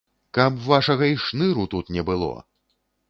Каб вашага і шныру тут не было.